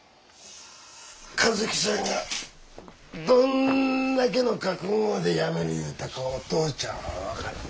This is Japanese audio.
和希ちゃんがどんだけの覚悟でやめる言うたかお父ちゃんは分かる。